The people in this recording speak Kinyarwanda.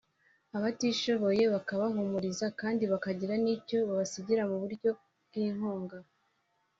abatishoboye bakabahumuriza kandi bakagira n’icyo babasigira mu buryo bw’inkunga